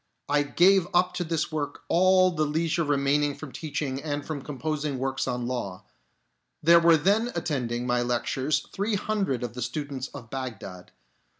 I gave up to this work all the leisure remaining from teaching and from composing works on law. There were then attending my lectures three hundred of the students of Bagdad.